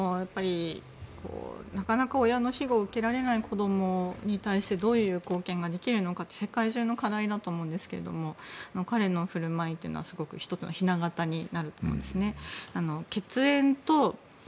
なかなか親の庇護を受けられない子に対してどういう貢献ができるのかって世界中の課題だと思うんですけど彼の振る舞いというのはすごく１つのひな型になりますね。